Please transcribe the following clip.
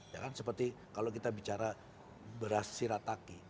ya kan seperti kalau kita bicara beras sirataki